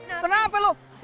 aa udah nggak knobs